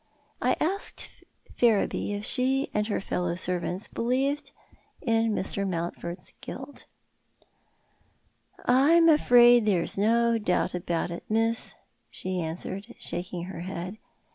I asked Ferriby if she and her fellow servants believed in Mr. Mountford's guilt. "I'm afraid there's no doubt about it, miss," she answered, shaking her head.